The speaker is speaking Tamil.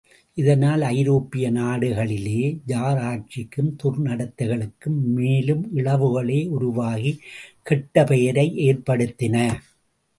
இதனால், ஐரோப்பிய நாடுகளிலே ஜார் ஆட்சிக்கும் துர்நடத்தைகளுக்கும் மேலும் இகழ்வுகளே உருவாகி, கெட்ட பெயரை ஏற்படுத்தின.